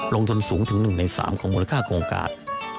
ลงทุนสูงถึง๑ใน๓ของมูลค่าโครงการ